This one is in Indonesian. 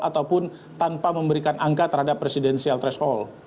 ataupun tanpa memberikan angka terhadap presidensial threshold